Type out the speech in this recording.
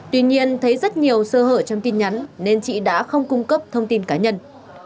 tuy nhiên thấy rất nhiều sơ hở trong tin nhắn nên chị đã không cung cấp thông tin cá nhân